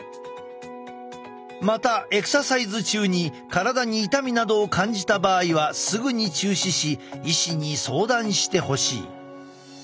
またエクササイズ中に体に痛みなどを感じた場合はすぐに中止し医師に相談してほしい。